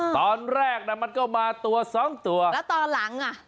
ตอนแรกน่ะมันก็มาตัวสองตัวแล้วตอนหลังอ่ะ